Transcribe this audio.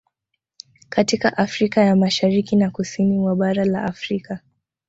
Katika Afrika ya Mashariki na Kusini mwa bara la Afrika